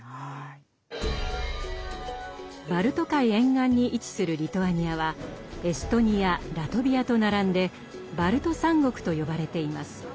バルト海沿岸に位置するリトアニアはエストニアラトビアと並んで「バルト三国」と呼ばれています。